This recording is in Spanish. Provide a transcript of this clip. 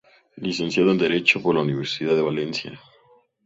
Licenciado en Derecho por la Universidad de Valencia.